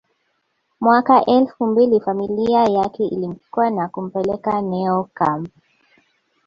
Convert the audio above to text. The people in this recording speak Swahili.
Mwaka elfu mbili familia yake ilimchukua na kumpeleka Neo camp